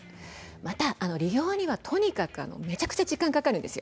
また利用にはとにかくめちゃくちゃ時間がかかるんです。